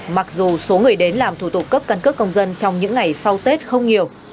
mặc dù số người đến làm thủ tục cấp căn cước công dân trong những ngày sau tết không nhiều